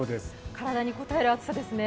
体にこたえる暑さですね